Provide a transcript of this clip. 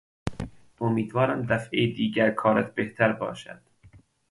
امیدوارم دفعهی دیگر کارت بهتر باشد.